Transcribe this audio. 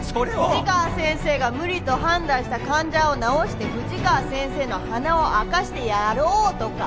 富士川先生が無理と判断した患者を治して富士川先生の鼻を明かしてやろうとか。